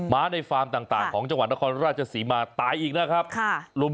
้าในฟาร์มต่างของจังหวัดนครราชศรีมาตายอีกนะครับ